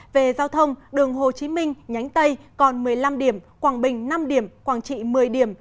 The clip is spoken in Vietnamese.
về giao thông đường hồ chí minh nhánh tây còn một mươi năm điểm quảng bình năm điểm quảng trị một mươi điểm